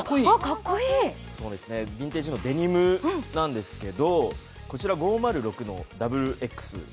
ビンテージのデニムなんですけど、こちら５０６のＸＸ。